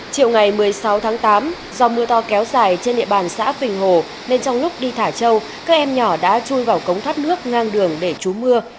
chịu ngày một mươi sáu tháng tám do mưa to kéo dài trên địa bàn xã phình hồ nên trong lúc đi thả trâu các em nhỏ đã chui vào cống thoát nước ngang đường để chú mưa